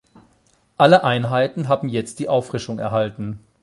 Alle Einheiten haben jetzt die Auffrischung erhalten.